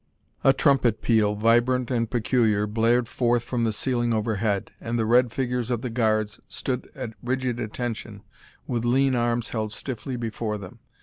A trumpet peal, vibrant and peculiar, blared forth from the ceiling overhead, and the red figures of the guards stood at rigid attention with lean arms held stiffly before them.